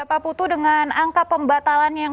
pak putu dengan angka pembatalan yang